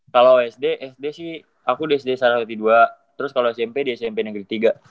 kalau sd eh sd sih aku sd sarawati dua terus kalau smp di smp negeri tiga